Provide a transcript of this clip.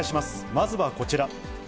まずはこちら。